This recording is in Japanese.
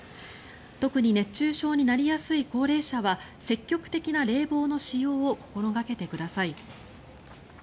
特に熱中症になりやすい高齢者は積極的な冷房の使用を心掛けてください。